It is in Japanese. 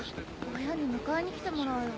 親に迎えに来てもらおうよ。